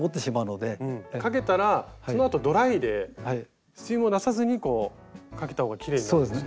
かけたらそのあとドライでスチームを出さずにこうかけた方がきれいになるんですね。